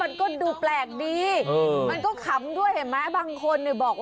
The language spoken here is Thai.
อันนั้นจดหมายส่วนตัว